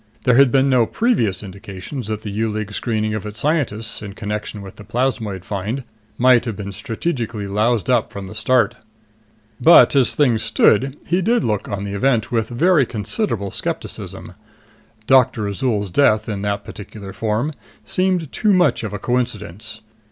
There had been no previous indications that the U League's screening of its scientists, in connection with the plasmoid find, might have been strategically loused up from the start. But as things stood, he did look on the event with very considerable skepticism. Doctor Azol's death, in that particular form, seemed too much of a coincidence.